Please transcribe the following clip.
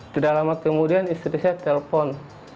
tidak lama kemudian istri saya telpon